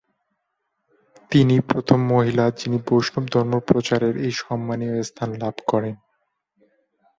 তিনি প্রথম মহিলা যিনি বৈষ্ণব ধর্ম প্রচারের এই সন্মানীয় স্থান লাভ করেন।